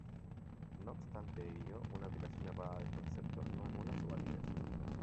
No obstante ello, una aplicación errada del concepto no anula su validez.